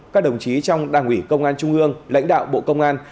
các đồng chí trong đảng ủy công an trung ương lãnh đạo bộ công an